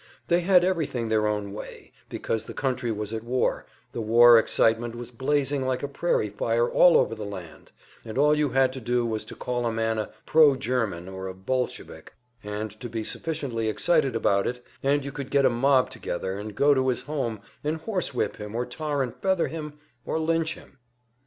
They had everything their own way, because the country was at war, the war excitement was blazing like a prairie fire all over the land, and all you had to do was to call a man a pro German or a Bolshevik, and to be sufficiently excited about it, and you could get a mob together and go to his home and horsewhip him or tar and feather him or lynch him.